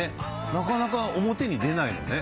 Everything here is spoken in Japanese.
なかなか表に出ないのね。